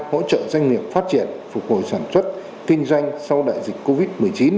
hỗ trợ doanh nghiệp phát triển phục hồi sản xuất kinh doanh sau đại dịch covid một mươi chín